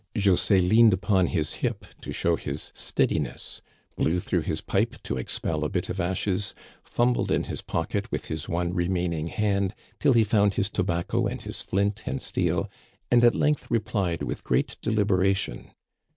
José leaned upon his hip to show his steadiness, Digitized by VjOOQIC CONCLUSION. 283 blew through hîs pipe to expel a bit of ashes, fumbled in his pocket with his one remaining hand till he found his tobacco and his flint and steel, and at length replied with great deliberation.